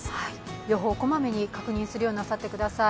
予報、こまめに確認するようになさってください。